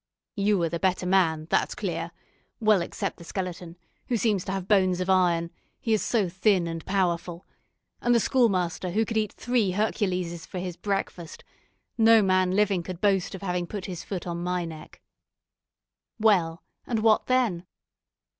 "You are the better man, that's clear. Well, except the Skeleton, who seems to have bones of iron, he is so thin and powerful, and the Schoolmaster, who could eat three Herculeses for his breakfast, no man living could boast of having put his foot on my neck." "Well, and what then?"